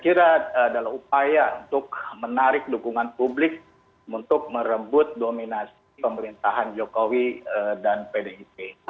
saya kira adalah upaya untuk menarik dukungan publik untuk merebut dominasi pemerintahan jokowi dan pdip